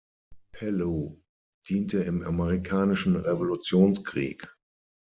Pellew diente im Amerikanischen Revolutionskrieg.